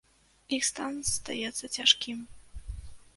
Іх стан застаецца цяжкім.